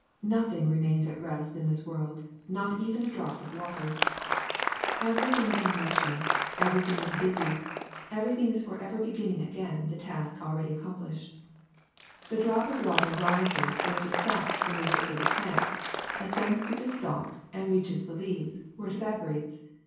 Nothing remains at rest in this world, not even a drop of water. Everything is in RAIN 348 motion, everything is busy, everything is forever beginning again the task already accomplished. *^The drop of water rises with the sap from the roots of the plant, ascends through the stalk, and reaches the leaves, where it evaporates.